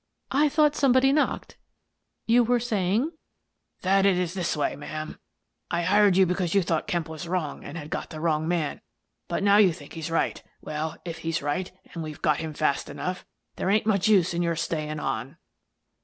" I thought somebody knocked. You were saying —"" That it's this way, ma'am : I hired you because you thought Kemp was wrong and had got the wrong man. But now you think he's right. Well, if he's right and we've got him fast enough, there ain't much use in your staying on."